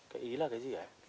cái ý là cái gì hả